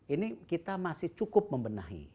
ini kita masih cukup membenahi